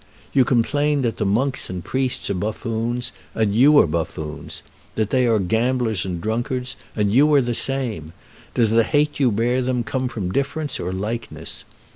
You complain that the monks and priests are buffoons; and you are buffoons; that they are gamblers and drunkards, and you are the same. Does the hate you bear them come from difference or likeness?